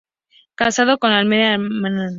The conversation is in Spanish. Casado con Nalda Amelia.